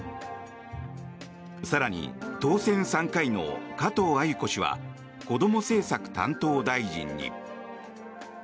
更に、当選３回の加藤鮎子氏はこども政策担当大臣に。